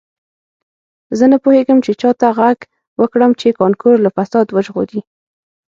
زه نه پوهیږم چې چا ته غږ وکړم چې کانکور له فساد وژغوري